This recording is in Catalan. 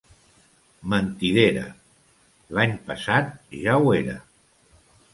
Mentidera! / —L'any passat ja ho era!